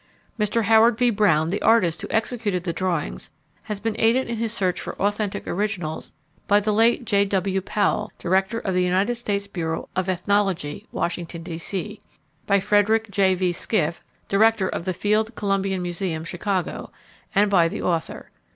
Mr. Howard V. Brown, the artist who executed the drawings, has been aided in his search for authentic originals by the late J. W. Powell, director of the United States Bureau of Ethnology, Washington, D.C.; by Frederick J. V. Skiff, director of the Field Columbian Museum, Chicago, and by the author.